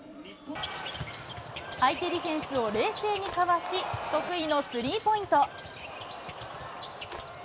相手ディフェンスを冷静にかわし、得意のスリーポイント。